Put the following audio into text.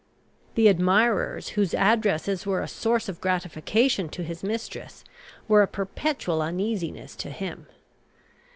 The admirers whose addresses were a source of gratification to his mistress, were a perpetual uneasiness to him.